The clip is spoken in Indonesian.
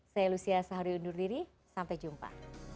saya lucia sahari undur diri sampai jumpa